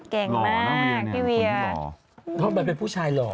เก่งมากพี่เวียร์นะคุณไม่เหรอคุณมันเป็นผู้ชายหรอ